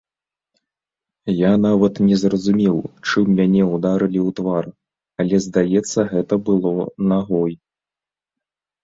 Я нават не зразумеў чым мяне ударылі ў твар, але здаецца гэта было нагой.